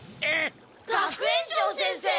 学園長先生！